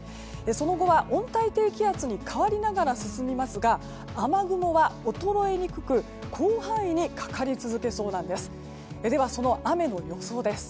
その後は温帯抵気圧に変わりながら進みますが雨雲は衰えにくく、広範囲にかかり続けそうなんです。